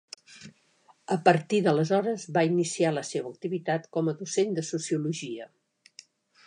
A partir d'aleshores, va iniciar la seua activitat com a docent de Sociologia.